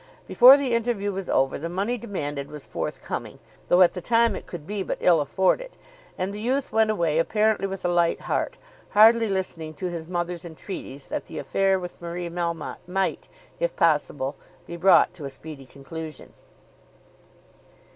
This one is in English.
Before the interview was over the money demanded was forthcoming, though at the time it could be but ill afforded, and the youth went away apparently with a light heart, hardly listening to his mother's entreaties that the affair with Marie Melmotte might, if possible, be brought to a speedy conclusion.